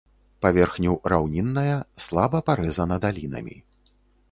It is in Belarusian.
Паверхню раўнінная, слаба парэзана далінамі.